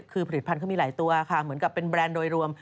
คือผลิตภัณฑ์เขามีหลายตัวค่ะเหมือนกับเป็นแบรนด์โดยรวม